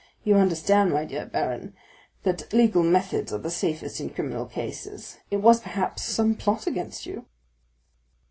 You understand, my dear baron, that legal methods are the safest in criminal cases; it was, perhaps, some plot against you."